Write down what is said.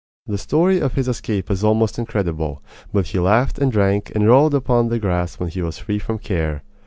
The story of his escape is almost incredible, but he laughed and drank and rolled upon the grass when he was free from care.